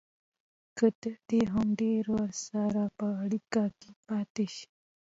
که تر دې هم ډېر ورسره په اړیکه کې پاتې شي